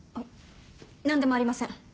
何でもありません。